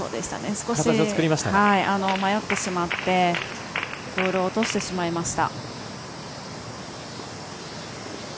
少し迷ってしまってボールを落としてしまいました。